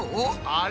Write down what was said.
あれ？